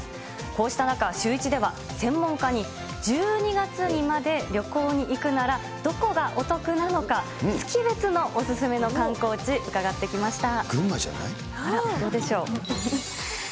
こうした中、シューイチでは、専門家に１２月にまで旅行に行くなら、どこがお得なのか、月別のお勧めの観光地、伺ってきました。